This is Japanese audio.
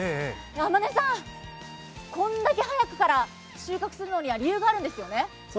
天根さん、これだけ早くから収穫するのには理由があるんですよね。